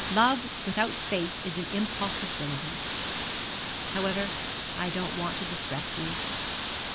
Love without faith is an impossibility. However, I don't want to distress you.